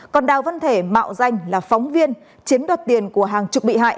còn đào văn thể mạo danh là phóng viên chiếm đoạt tiền của hàng chục bị hại